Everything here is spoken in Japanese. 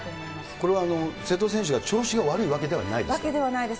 これは、瀬戸選手は調子が悪わけではないです。